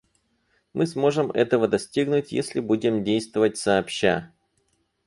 Мы сможем этого достигнуть, если будем действовать сообща.